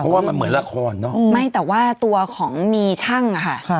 เพราะว่ามันเหมือนละครเนอะไม่แต่ว่าตัวของมีช่างอะค่ะ